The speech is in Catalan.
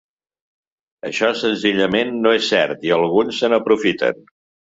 Això senzillament no és cert i alguns se n’aprofiten.